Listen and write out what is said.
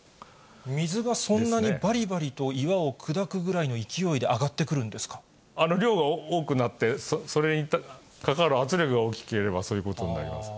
水がそんなにばりばりと岩を砕くぐらいの勢いで上がってくる量が多くなって、それにかかる圧力が大きければ、そういうことになります。